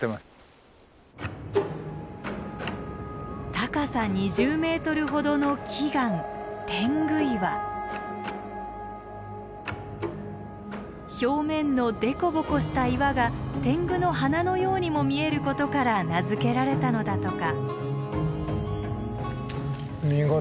高さ２０ｍほどの奇岩表面の凸凹した岩が天狗の鼻のようにも見えることから名付けられたのだとか。